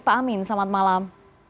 pak amin selamat malam